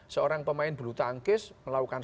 seorang pemain bulu tangkis melakukan